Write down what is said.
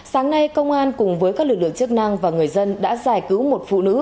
sáng nay công an cùng với các lực lượng chức năng và người dân đã giải cứu một phụ nữ